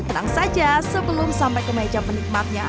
tenang saja sebelum sampai ke meja penikmatnya